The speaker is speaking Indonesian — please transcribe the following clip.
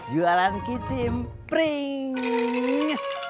jualan kicim pring